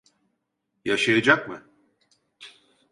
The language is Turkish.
Yaşayacak mı?